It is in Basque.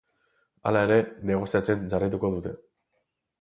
Hala ere, negoziatzen jarraituko dute.